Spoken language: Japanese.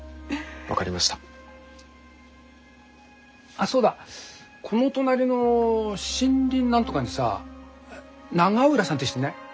あっそうだこの隣の森林なんとかにさ永浦さんって人いない？